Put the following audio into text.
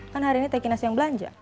kan hari ini teki nasi yang belanja